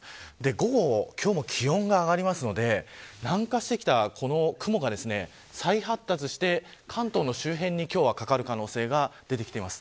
午後、今日も気温が上がりますので南下してきた雲が再発達して関東の周辺にかかる可能性が出てきています。